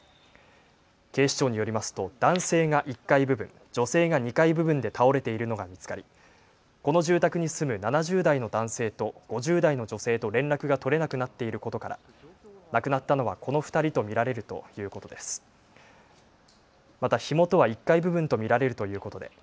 警視庁によりますと男性が１階部分、女性が２階部分で倒れているのが見つかりこの住宅に住む７０代の男性と５０代の女性と連絡が取れなくなっていることから亡くなったのはこの２人と見られるということです。